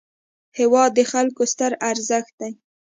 هېواد د خلکو ستر ارزښت دی.